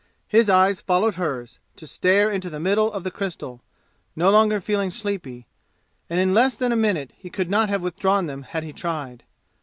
His eyes followed hers, to stare into the middle of the crystal, no longer feeling sleepy, and in less than a minute he could not have withdrawn them had he tried.